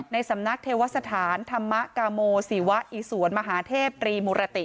ในสำนักเทวสถานธรรมกาโมศิวะอิสวนมหาเทพตรีมุรติ